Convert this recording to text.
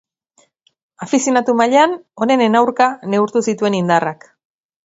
Afizionatu mailan, onenen aurka neurtu zituen indarrak.